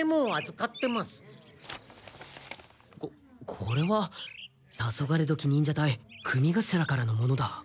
ここれはタソガレドキ忍者隊組頭からのものだ。